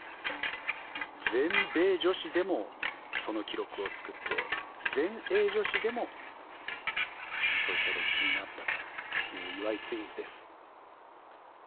全米女子でもその記録を作って全英女子でもそういった歴史になったという岩井ツインズです。